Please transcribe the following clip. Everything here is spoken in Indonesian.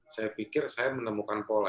saya pikir saya menemukan pola